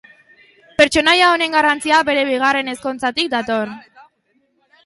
Pertsonaia honen garrantzia, bere bigarren ezkontzatik dator.